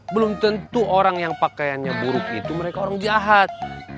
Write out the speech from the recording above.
belum tentu orang yang pakaiannya buruk itu mereka orang jahat